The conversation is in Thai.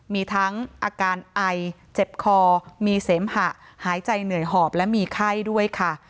มีทั้งอาการไอเจ็บคอมีเสมหะหายใจเหนื่อยหอบและมีไข้ด้วยค่ะ